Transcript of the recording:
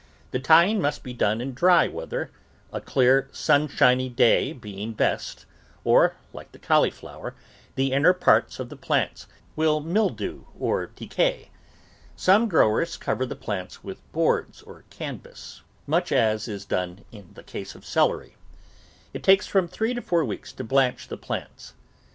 The tying must be done in dry weather, a clear, sunshiny day being best, or, like the cauliflower, the inner part of the plants will mildew or decay. Some growers cover the plants with boards or canvas, much as is done in the case of celery. It takes from three to four weeks to blanch the plants.